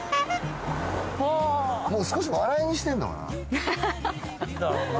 もう少し笑いにしてるのかな。だろうね。